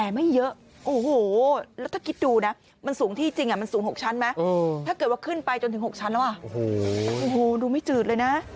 แล้วถ้าคิดดูมันสูงที่จริงมันสูง๖ชั้นไหมถ้าเกิดว่าขึ้นไปจนถึง๖ชั้นแล้วดูไม่จืดเลยนะ